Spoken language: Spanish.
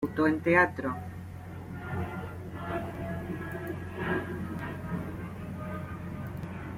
Al año siguiente debutó en teatro.